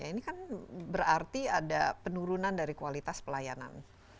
ini kan berarti ada penurunan dari kualitas pelayanan